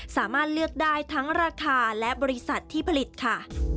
สามารถเลือกได้ทั้งราคาและบริษัทที่ผลิตค่ะ